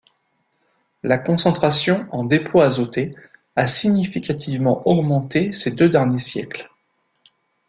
La concentration en dépôts azotés a significativement augmenté ces deux derniers siècles.